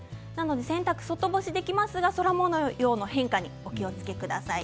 洗濯、外干しできますが空もようの変化にお気をつけください。